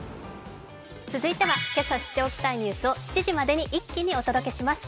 続いては今朝知っておきたいニュースを７時までに一気にお届けします